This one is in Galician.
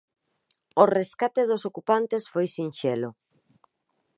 O rescate dos ocupantes foi sinxelo.